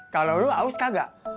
kalau lo haus enggak